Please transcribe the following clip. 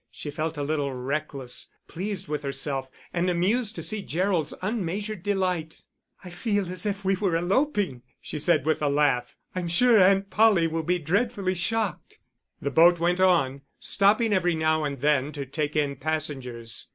She felt a little reckless, pleased with herself, and amused to see Gerald's unmeasured delight. "I feel as if we were eloping," she said, with a laugh; "I'm sure Aunt Polly will be dreadfully shocked." The boat went on, stopping every now and then to take in passengers.